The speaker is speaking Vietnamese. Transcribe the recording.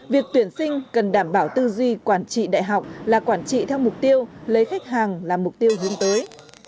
việc tuyển sinh cần đảm bảo tư duy quản trị đại học là quản trị theo mục tiêu lấy khách hàng là mục tiêu hướng tới